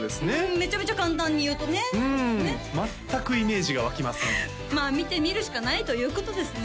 めちゃめちゃ簡単に言うとね全くイメージが湧きませんまあ見てみるしかないということですね